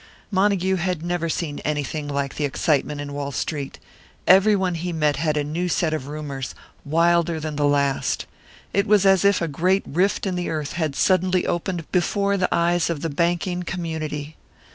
Montague had never seen anything like the excitement in Wall Street. Everyone he met had a new set of rumours, wilder than the last. It was as if a great rift in the earth had suddenly opened before the eyes of the banking community.